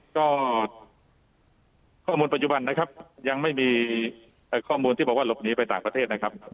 ก็ข้อมูลปัจจุบันนะครับยังไม่มีข้อมูลที่บอกว่าหลบหนีไปต่างประเทศนะครับ